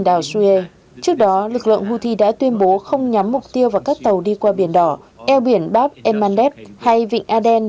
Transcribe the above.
đảo suier trước đó lực lượng houthi đã tuyên bố không nhắm mục tiêu vào các tàu đi qua biển đỏ eo biển bab el mandeb hay vịnh aden